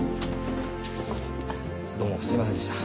どうもすいませんでした。